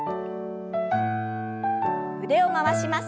腕を回します。